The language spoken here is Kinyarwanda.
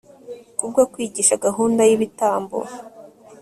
kubwo kwigisha gahunda y'ibitambo